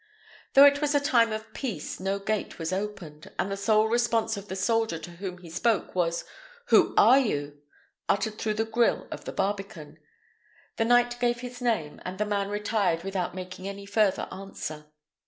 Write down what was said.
Though it was a time of peace, no gate was opened, and the sole response of the soldier to whom he spoke was, "Who are you?" uttered through the grille of the barbican. The knight gave his name, and the man retired without making any further answer.